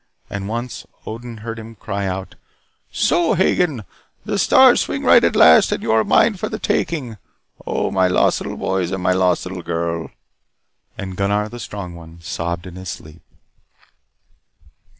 And once, Odin heard him cry out "So, Hagen, the stars swing right at last, and you are mine for the taking. Oh, my lost little boys and my lost little girl " And Gunnar, the strong one, sobbed in his sleep.